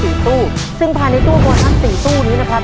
จำนวนสี่ตู้ซึ่งผ่านในตู้โบรนัสสี่ตู้นี้นะครับ